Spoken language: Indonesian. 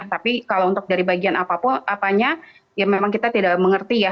tapi kalau untuk dari bagian apapun apanya ya memang kita tidak mengerti ya